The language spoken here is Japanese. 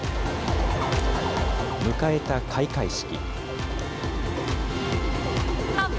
迎えた開会式。